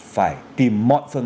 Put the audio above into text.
phải tìm mọi phương án